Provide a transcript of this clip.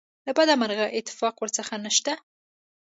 له بده مرغه اتفاق ورڅخه نشته.